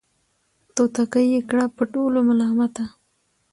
توتکۍ یې کړه په ټولو ملامته